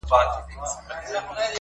یا مېړونه بدل سوي یا اوښتي دي وختونه.!